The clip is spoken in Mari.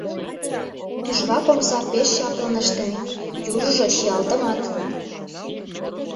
Тӱжвак омса пеш чаплын ыштыме, южыжо чиялтымат.